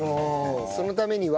そのためには。